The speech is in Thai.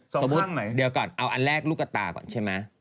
สมมุติเดี๋ยวก่อนเอาอันแรกลูกกระตาก่อนใช่ไหม